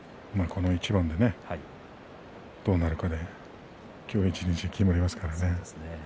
この一番でね、どうなるかで今日一日決まりますからね。